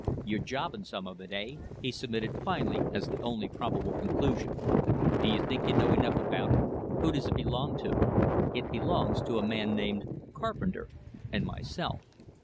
"You're jobbing some of it, eh?" he submitted finally as the only probable conclusion. "Do you think you know enough about it? Who does it belong to?" "It belongs to a man named Carpenter and myself."